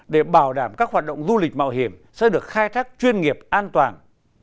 để bảo đảm các hoạt động du lịch mạo hiểm sẽ được khai thác chuyên nghiệp an toàn